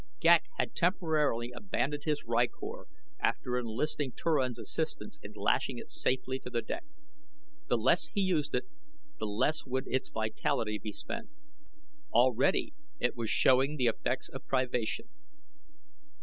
Ghek had temporarily abandoned his rykor after enlisting Turan's assistance in lashing it safely to the deck. The less he used it the less would its vitality be spent. Already it was showing the effects of privation.